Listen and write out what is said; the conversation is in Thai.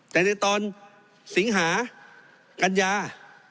แต่ในตอนสิงหากัญญา